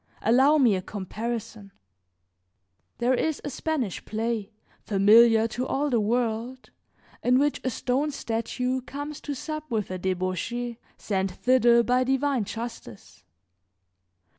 Allow me a comparison. There is a Spanish play, familiar to all the world, in which a stone statue comes to sup with a debauchee, sent thither by divine justice.